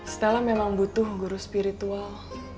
stella memang butuh guru spiritual